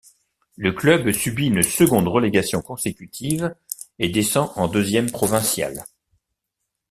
Le club subit une seconde relégation consécutive, et descend en deuxième provinciale.